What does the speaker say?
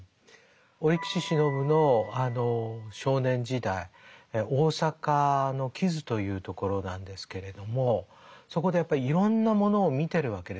折口信夫の少年時代大阪の木津という所なんですけれどもそこでやっぱりいろんなものを見てるわけですよね。